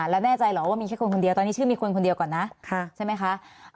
แล้วแน่ใจเหรอว่ามีแค่คนคนเดียวตอนนี้ชื่อมีคนคนเดียวก่อนนะใช่ไหมคะ